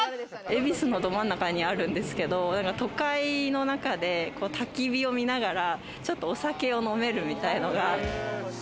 恵比寿のど真ん中にあるんですけど、都会の中で、たき火を見ながら、ちょっとお酒を飲めるみたいなのが。